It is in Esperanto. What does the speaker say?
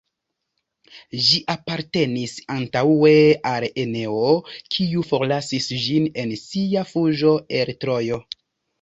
Ĝi apartenis antaŭe al Eneo, kiu forlasis ĝin en sia fuĝo el Trojo.